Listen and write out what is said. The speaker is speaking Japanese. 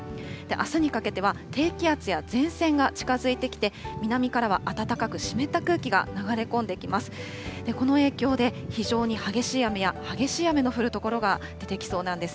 あすにかけては低気圧や前線が近づいてきて、南からは暖かく湿った空気が流れ込んできます。